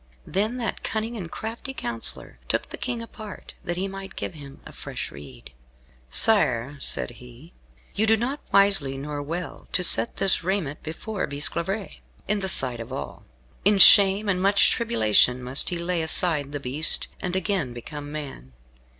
Then that cunning and crafty counsellor took the King apart, that he might give him a fresh rede. "Sire," said he, "you do not wisely, nor well, to set this raiment before Bisclavaret, in the sight of all. In shame and much tribulation must he lay aside the beast, and again become man.